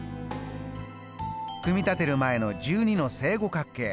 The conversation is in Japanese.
組み立てる前の１２の正五角形。